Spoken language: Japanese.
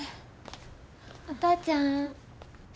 お父ちゃん？え。